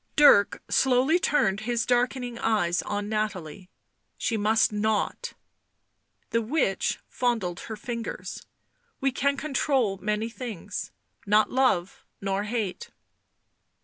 Dirk slowly turned his darkening eyes on Nathalie. " She must not." The witch fondled her fingers. "We can control many things — not love nor hate."